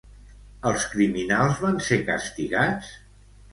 Els criminals van ser castigats?